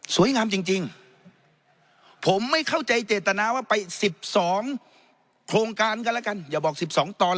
สวยงามจริงจริงผมไม่เข้าใจเจตนาว่าไปสิบสอง